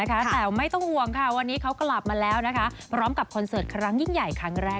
แต่ไม่ต้องหวงนะคะวันนี้เขากลับมาแล้วพร้อมกับคอนเสิร์ตครั้งใหญ่